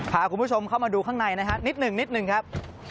ค่ะคุณผู้ชมเข้ามาดูข้างในนะครับนิดหนึ่งครับ